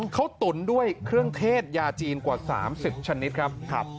เขาตุ๋นด้วยเครื่องเทศยาจีนกว่า๓๐ชนิดครับ